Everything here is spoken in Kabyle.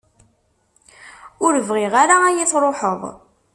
Ur bɣiɣ ara ad iyi-truḥeḍ.